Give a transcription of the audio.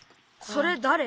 それだれ？